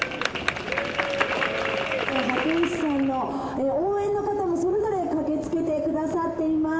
「箱石さんの応援の方もそれぞれ駆けつけて下さっています。